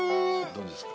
どうですか？